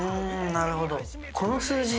なるほど。